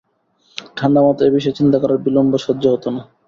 ঠাণ্ডা মাথায় এ বিষয়ে চিন্তা করার বিলম্ব সহ্য হত না।